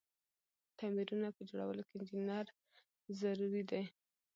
تعميرونه په جوړولو کی انجنیر ضروري ده.